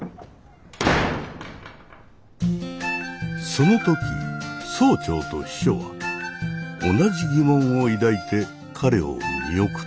その時総長と秘書は同じ疑問を抱いて彼を見送った。